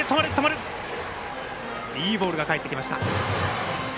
いいボールが返ってきました。